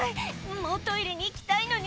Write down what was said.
もうトイレに行きたいのに」